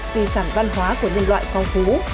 di sản văn hóa của nhân loại phong phú